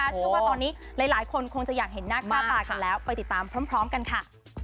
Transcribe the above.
เชื่อว่าตอนนี้หลายคนคงจะอยากเห็นหน้าค่าตากันแล้วไปติดตามพร้อมกันค่ะ